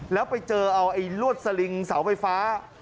แล้วไปเจอเอาไอ้ลวดสลิงเสาไฟฟ้า